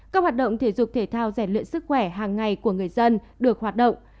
các hoạt động thể dục thể thao rèn luyện sức khỏe hàng ngày của người dân được hoạt động